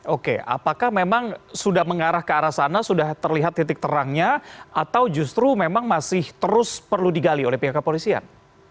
oke apakah memang sudah mengarah ke arah sana sudah terlihat titik terangnya atau justru memang masih terus perlu digali oleh pihak kepolisian